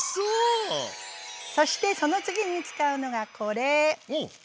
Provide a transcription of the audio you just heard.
そしてその次に使うのがこれ。